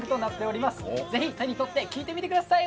ぜひ手に取って聴いてみてください。